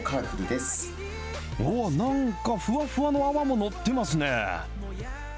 なんかふわふわの泡が載ってますね。